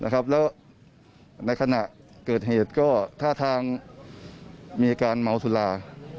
แล้วในขณะเกิดเหตุก็ท่าทางมีการเมาสุรา